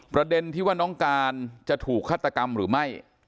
ประเด็นที่ว่าน้องการจะถูกฆาตกรรมหรือไม่